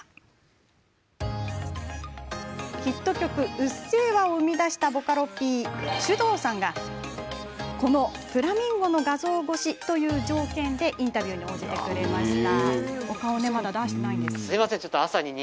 「うっせぇわ」を生み出したボカロＰのｓｙｕｄｏｕさんがこのフラミンゴの画像越しという条件でインタビューに応じてくれました。